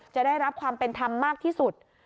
จะได้รับความเป็นธรรมมากที่สุด